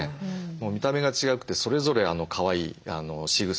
もう見た目が違くてそれぞれかわいいしぐさとかですね